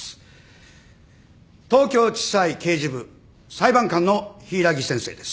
東京地裁刑事部裁判官の柊木先生です。